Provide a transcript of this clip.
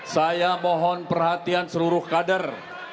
saya mohon perhatian seluruh kader